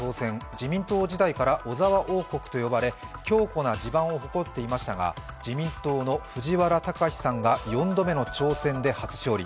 自民党時代から小沢王国と呼ばれ強固な地盤を誇っていましたが自民党の藤原崇さんが４度目の挑戦で初勝利。